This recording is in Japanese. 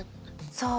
そう。